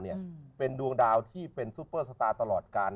บรรยาการคือแม่นดวงดาวที่เป็นซุปเปอร์สตาร์ตลอดกาล